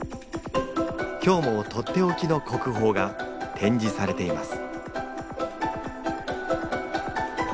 今日もとっておきの国宝が展示されています